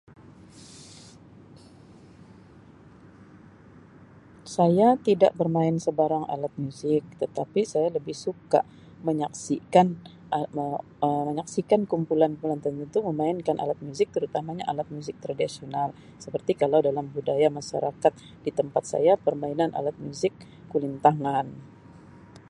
Saya tidak bermain sebarang alat muzik tetapi saya lebih suka menyaksikan Um kumpulan-kumpulan tertentu memainkan alat muzik terutamanya muzik tradisional seperti kalau dalam budaya masyarakat di tempat saya permainan alat muzik kulintangan